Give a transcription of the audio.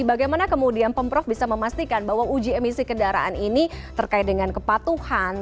bagaimana kemudian pemprov bisa memastikan bahwa uji emisi kendaraan ini terkait dengan kepatuhan